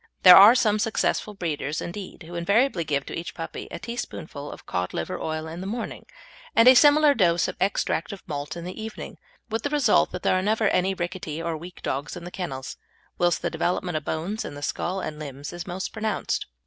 There are some successful breeders, indeed, who invariably give to each puppy a teaspoonful of cod liver oil in the morning and a similar dose of extract of malt in the evening, with the result that there are never any rickety or weak dogs in the kennels, whilst the development of the bones in the skull and limbs is most pronounced.